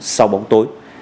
sau bóng tối